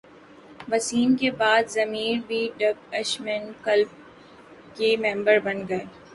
وسیم کے بعد رمیز بھی ڈب اسمیش کلب کے ممبر بن گئے